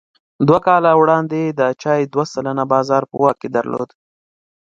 دوه کاله وړاندې یې د چای دوه سلنه بازار په واک کې درلود.